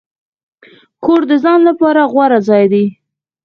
کور د ځان لپاره غوره ځای دی.